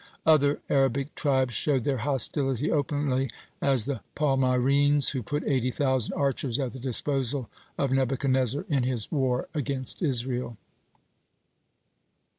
Other Arabic tribes showed their hostility openly; as the Palmyrenes, who put eighty thousand archers at the disposal of Nebuchadnezzar in his war against Israel.